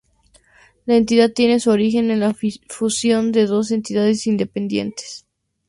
La entidad tiene su origen en la fusión de dos entidades independientes.